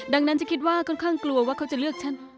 ดังนั้นฉันคิดว่าค่อนข้างกลัวว่าเขาจะเลือกฉัน